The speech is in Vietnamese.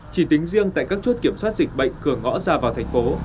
chỉ tính riêng tại các chốt kiểm soát dịch bệnh cửa ngõ ra vào thành phố